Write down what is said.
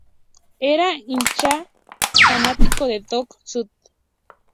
Era hincha fanático de Dock Sud.